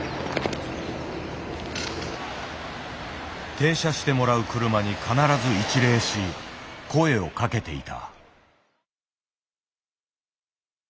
停車してもらう車に必ず一礼し声をかけていた。